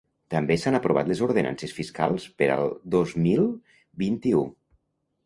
També s’han aprovat les ordenances fiscals per al dos mil vint-i-u.